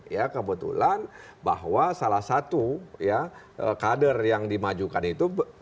ya kebetulan bahwa salah satu ya kader yang dimajukan itu